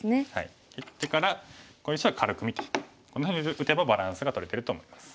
いってからこの石は軽く見てこんなふうに打てばバランスがとれてると思います。